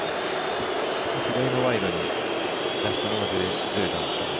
左のワイドに出したのがずれたんですかね。